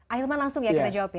akhirnya langsung ya kita jawab ya